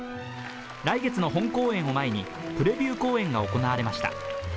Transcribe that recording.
来月の本公演を前にプレビュー公演が行われました。